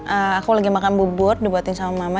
aku lagi makan bubur dibuatin sama mama